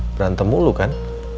berantem mulu kan